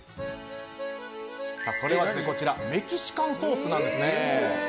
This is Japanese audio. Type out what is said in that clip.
それはメキシカンソースなんです。